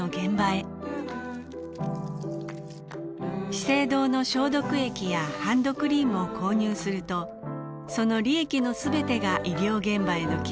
資生堂の消毒液やハンドクリームを購入するとその利益のすべてが医療現場への寄付になります